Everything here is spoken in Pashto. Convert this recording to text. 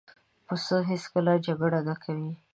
پسه هېڅکله جګړه نه کوي.